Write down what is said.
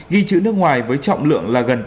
ghi chữ nước ngoài với chữ campuchia